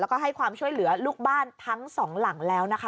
แล้วก็ให้ความช่วยเหลือลูกบ้านทั้งสองหลังแล้วนะคะ